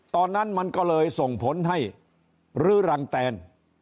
ตอนนั้นมันก็เลยส่งผลให้รื้อรังแตน